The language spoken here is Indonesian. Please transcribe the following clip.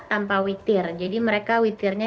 tanpa witir jadi mereka witirnya